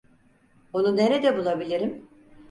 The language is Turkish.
Onu nerede bulabilirim?